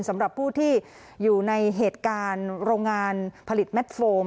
สำหรับผู้ที่อยู่ในเหตุการณ์โรงงานผลิตแมทโฟม